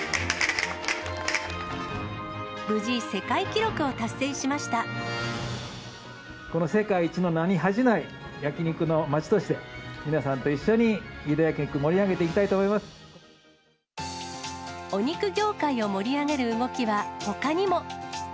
無事、この世界一の名に恥じない焼き肉の街として、皆さんと一緒に飯田焼き肉、お肉業界を盛り上げる動きはほかにも。